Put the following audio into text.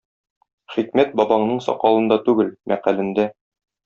Хикмәт бабаңның сакалында түгел, мәкалендә.